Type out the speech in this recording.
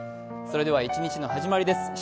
それでは一日の始まりです。